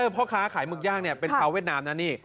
พ่อค้าขายหมึกย่างเป็นชาวเวียดนามนะนี่